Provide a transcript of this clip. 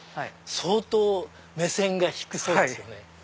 相当目線が低そうですよね。